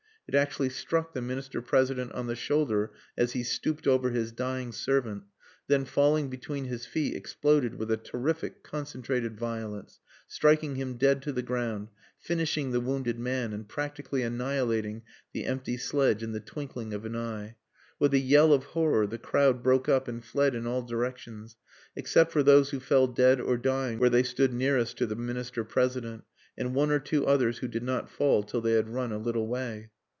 It actually struck the Minister President on the shoulder as he stooped over his dying servant, then falling between his feet exploded with a terrific concentrated violence, striking him dead to the ground, finishing the wounded man and practically annihilating the empty sledge in the twinkling of an eye. With a yell of horror the crowd broke up and fled in all directions, except for those who fell dead or dying where they stood nearest to the Minister President, and one or two others who did not fall till they had run a little way.